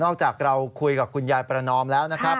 จากเราคุยกับคุณยายประนอมแล้วนะครับ